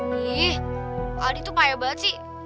nih adi tuh kaya banget sih